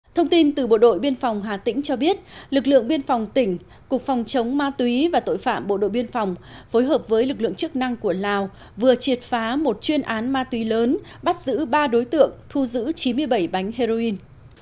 thông tin từ bộ đội biên phòng hà tĩnh cho biết lực lượng biên phòng tỉnh cục phòng chống ma túy và tội phạm bộ đội biên phòng phối hợp với lực lượng chức năng của lào vừa triệt phá một chuyên án ma túy lớn bắt giữ ba đối tượng thu giữ chín mươi bảy bánh heroin